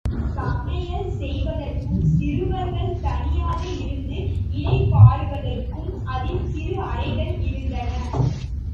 சமையல் செய்வதற்கும், சிறுவர்கள் தனியாக இருந்து இளைப்பாறுவதற்கும் அதில் சிறு அறைகள் இருந்தன.